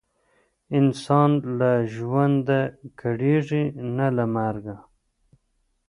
انسان له ژونده کړیږي نه له مرګه.